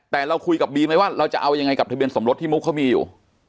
แต่เราคุยกับบีไหมว่าเราจะเอายังไงกับทะเบียนสมรสที่มุกเขามีอยู่